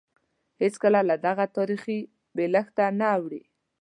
هېڅکله له دغه تاریخي بېلښته نه اوړي.